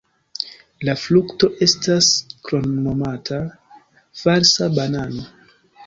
La frukto estas kromnomata "falsa banano".